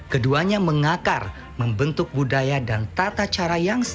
keduanya mengakar membentuk budaya dan tata cara yang sama